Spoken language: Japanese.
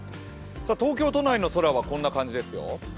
東京都内の空はこんな感じですよ。